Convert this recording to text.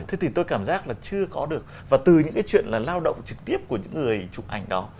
thế thì tôi cảm giác là chưa có được và từ những cái chuyện là lao động trực tiếp của những người chụp ảnh đó